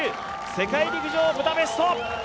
世界陸上ブダペスト。